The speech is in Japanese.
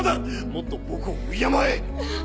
もっと僕を敬え！